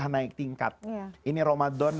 naik tingkat ini ramadan